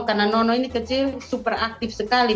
karena nono ini kecil super aktif sekali